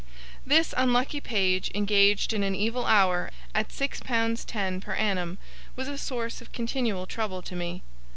This unlucky page, engaged in an evil hour at six pounds ten per annum, was a source of continual trouble to me.